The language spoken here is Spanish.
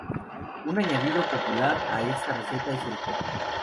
Un añadido popular a esta receta es el coco.